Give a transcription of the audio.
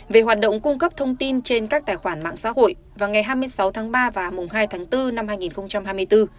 về hoạt động cung cấp thông tin trên các tài khoản mạng xã hội vào ngày hai mươi sáu tháng ba và mùng hai tháng bốn năm hai nghìn hai mươi bốn